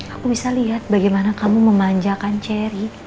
aku bisa lihat bagaimana kamu memanjakan cherry